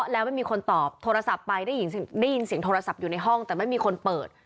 แล้วไม่มีคนตอบโทรศัพท์ไปได้ยินเสียงโทรศัพท์อยู่ในห้องแต่ไม่มีคนเปิด